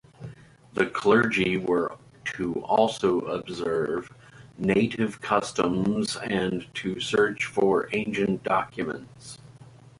The clergy were to also observe native customs and to search for ancient documents.